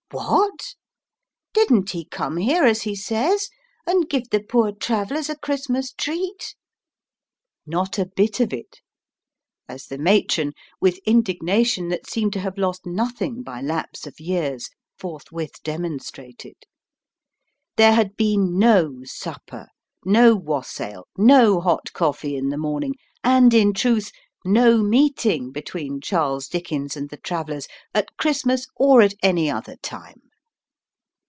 "What! didn't he come here, as he says, and give the poor Travellers a Christmas treat?" Not a bit of it; as the matron, with indignation that seemed to have lost nothing by lapse of years, forthwith demonstrated. There had been no supper, no wassail, no hot coffee in the morning, and, in truth, no meeting between Charles Dickens and the Travellers, at Christmas or at any other time.